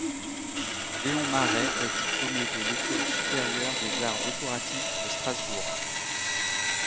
Léon Maret est diplômé de l'École supérieure des arts décoratifs de Strasbourg.